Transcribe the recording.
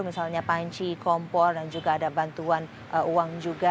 misalnya panci kompol dan juga ada bantuan uang juga